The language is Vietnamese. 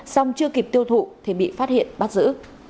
xong chưa kịp tiêu thụ thì bị phát hiện bắt giữ